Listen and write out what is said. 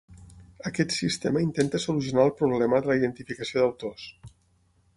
Aquest sistema intenta solucionar el problema de la identificació d'autors.